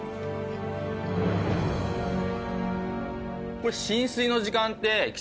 これ浸水の時間って季節